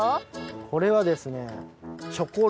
これはですね